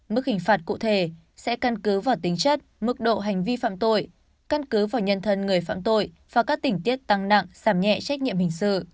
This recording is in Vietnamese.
mức hình phạt cụ thể sẽ căn cứ vào tính chất mức độ hành vi phạm tội căn cứ vào nhân thân người phạm tội và các tỉnh tiết tăng nặng giảm nhẹ trách nhiệm hình sự